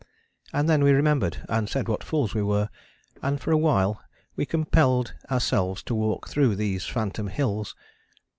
And then we remembered, and said what fools we were, and for a while we compelled ourselves to walk through these phantom hills.